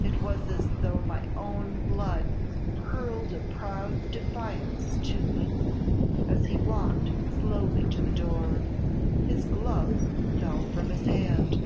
It was as though my own blood hurled a proud defiance to me. "As he walked slowly to the door, his glove fell from his hand.